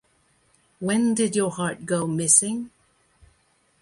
When Did Your Heart Go Missing?